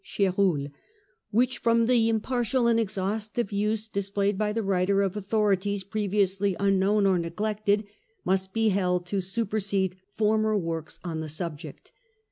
Ch6ruel, which from the impartial and exhaustive use displayed by the writer of authorities previously unknown or neglected must be held to supersede former works on the subject.